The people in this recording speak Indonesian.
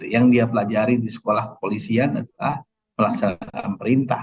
yang dia pelajari di sekolah kepolisian adalah melaksanakan perintah